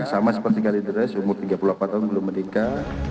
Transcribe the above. sama seperti kalidres umur tiga puluh empat tahun belum menikah